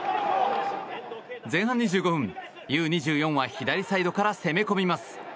前半２５分Ｕ‐２４は左サイドから攻め込みます。